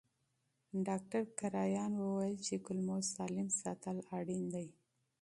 ډاکټر کرایان وویل چې کولمو سالم ساتل اړین دي.